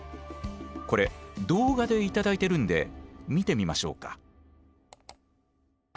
これ動画で頂いてるんで見てみましょうか。